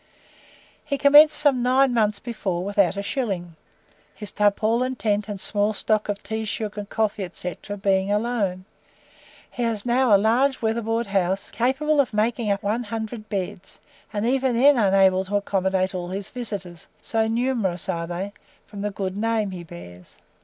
He commenced some nine months before without a shilling his tarpaulin tent and small stock of tea, sugar, coffee, &c., being a loan. He has now a large weather board house, capable of making up one hundred beds, and even then unable to accommodate all his visitors, so numerous are they, from the good name he bears.